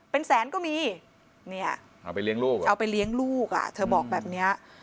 เป็นแสนก็มีเนี่ยเอาไปเลี้ยงลูกอ่ะเธอบอกแบบเนี้ย